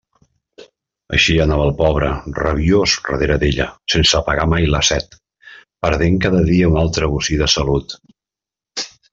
Així anava el pobre, rabiós darrere d'ella, sense apagar mai la set, perdent cada dia un altre bocí de salut.